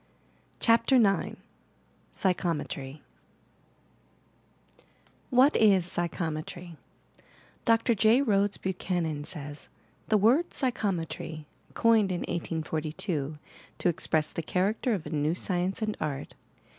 CHAPTER IX PSYCHOMETRY What is Psychometry I Dr. J, Rhodes Buchanan says: "The word 'Psychometry,' coined in 1842 to express the character of a new scienee and art, i?